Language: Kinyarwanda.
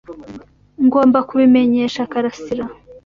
Ngomba kubimenyesha Karasira.